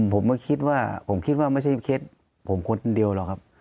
ผมคิดว่าไม่ใช่เคสผมคนเดียวหรอกครับ